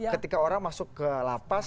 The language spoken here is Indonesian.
ketika orang masuk ke lapas